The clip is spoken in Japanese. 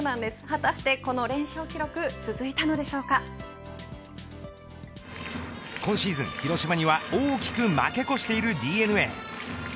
果たし、てこの連勝記録続いたのでしょうか。今シーズン、広島には大きく負け越しているＤｅＮＡ。